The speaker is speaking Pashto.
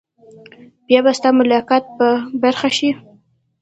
بیا به ستا ملاقات په برخه شي.